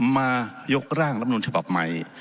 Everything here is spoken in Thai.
มายกร่างรับนูลฉบับใหม่